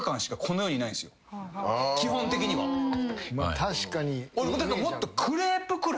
確かに。